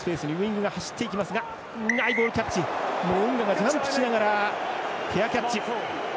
モウンガがジャンプしながらフェアキャッチ。